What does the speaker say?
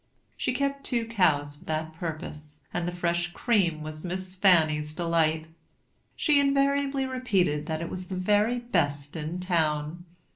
She kept two cows for that purpose, and the fresh cream was Miss Fanny's delight. She invariably repeated that it was the very best in town.